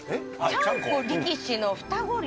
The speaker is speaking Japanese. ちゃんこ力士の二子竜。